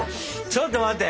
ちょっと待って。